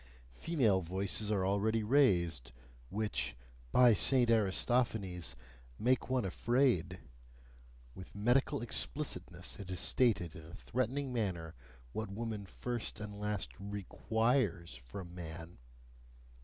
Female voices are already raised, which, by Saint Aristophanes! make one afraid: with medical explicitness it is stated in a threatening manner what woman first and last REQUIRES from man.